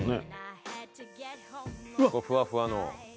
ふわふわの今。